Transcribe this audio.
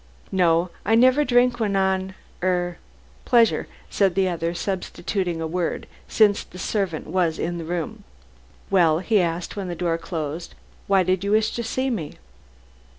"No. I never drink when on ah er pleasure," said the other, substituting another word since the servant was in the room. "Well," he asked when the door closed, "why did you wish to see me?"